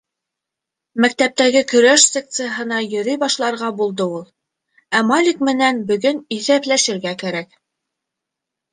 Мәктәптәге көрәш секцияһына йөрөй башларға булды ул. Ә Малик менән бөгөн иҫәпләшергә кәрәк.